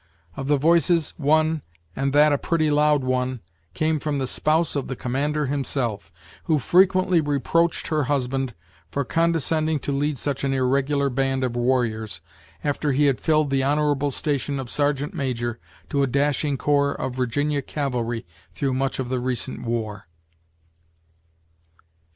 Of the voices, one, and that a pretty loud one', came from the spouse of the commander himself, who frequently reproached her husband for condescending to lead such an irregular band of warriors, after he had filled the honorable station of sergeant major to a dashing corps of Virginia cavalry through much of the recent war.